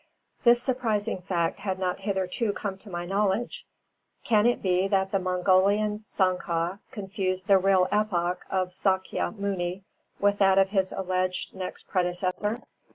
This surprising fact had not hitherto come to my knowledge. Can it be that the Mongolian Sangha confuse the real epoch of Sākya Muni with that of his alleged next predecessor?